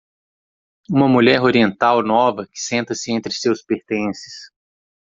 Uma mulher oriental nova que senta-se entre seus pertences.